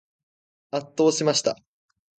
圧倒しました。